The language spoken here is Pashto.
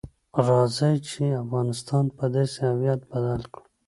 راځئ چې افغانستان په داسې هویت بدل کړو.